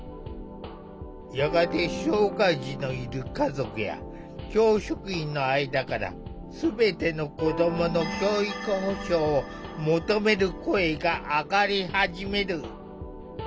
やがて障害児のいる家族や教職員の間からすべての子どもの教育保障を求める声が上がり始める。